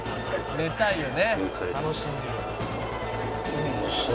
寝たいよね」